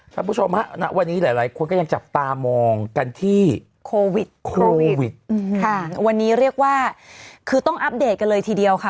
ท่านผู้ชมฮะณวันนี้หลายหลายคนก็ยังจับตามองกันที่โควิดโควิดค่ะวันนี้เรียกว่าคือต้องอัปเดตกันเลยทีเดียวค่ะ